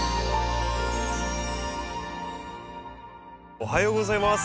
おはようございます。